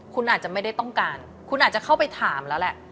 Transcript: คุณอาจจะไม่ได้ต้องการคุณอาจจะเข้าไปถามแล้วแหละ